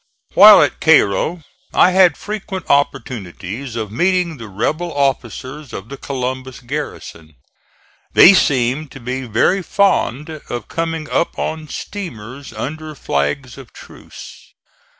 While at Cairo I had frequent opportunities of meeting the rebel officers of the Columbus garrison. They seemed to be very fond of coming up on steamers under flags of truce.